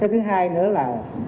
cái thứ hai nữa là